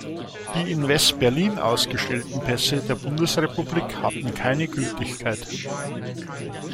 Die in West-Berlin ausgestellten Pässe der Bundesrepublik hatten keine Gültigkeit.